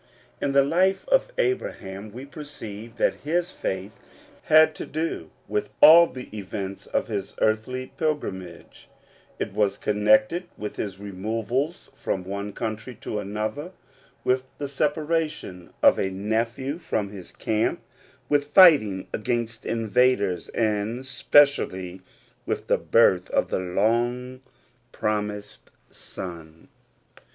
In the life of Abraham we perceive that his faith had to do with all the events of his earthly pilgrim age ; it was connected with his removals from one country to another, with the separation of a nephew The Promise Used for this Life, loi om his camp, with fighting against invaders, and pecially with the birth of the long promised son.